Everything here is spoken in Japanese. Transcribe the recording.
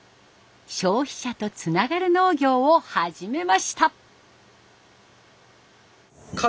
消費者とつながる農業を始めました。